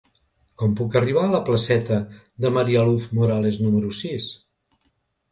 Com puc arribar a la placeta de María Luz Morales número sis?